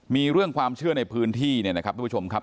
มีเรื่องความเชื่อในพื้นที่เนี่ยนะครับทุกผู้ชมครับ